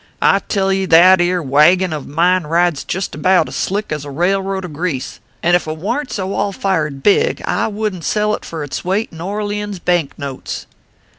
I tell ye that ere wagging uv mine rides jist about as slick as a railroad of grease, and if it warn t so allfired big, I wouldn t sell it for its weight in Orleans bank notes.